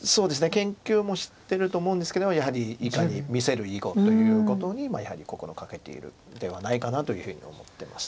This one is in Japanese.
研究もしてると思うんですけどやはりいかに見せる囲碁ということに心掛けているんではないかなというふうに思ってます。